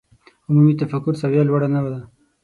عمومي تفکر سویه لوړه نه ده.